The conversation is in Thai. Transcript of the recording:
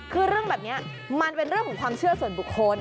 คือเรื่องแบบนี้มันเป็นเรื่องของความเชื่อส่วนบุคคล